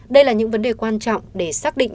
đây là những vấn đề quan trọng để xác định